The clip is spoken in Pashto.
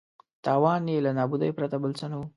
تاوان یې له نابودۍ پرته بل څه نه وي.